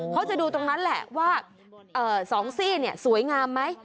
เขาจะดูตรงนั้นแหละว่า๒ซี่สวยงามไหม